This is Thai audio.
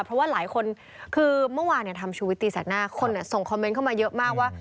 เพราะว่าหลายคนคือเมื่อวานทำชูวิตตีแสกหน้าคนส่งคอมเมนต์เข้ามาเยอะมากว่า